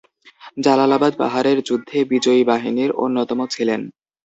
জালালাবাদ পাহাড়ের যুদ্ধে বিজয়ী বাহিনীর অন্যতম ছিলেন।